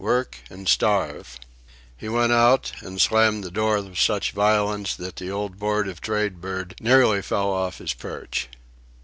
Work and starve!" He went out, and slammed the door with such violence that the old Board of Trade bird nearly fell off his perch.